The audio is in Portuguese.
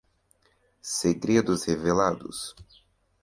Segredos revelados